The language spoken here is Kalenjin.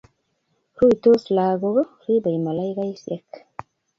Ruitos lagok ribei malaikaisiek